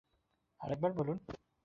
আরেকবার বলুন।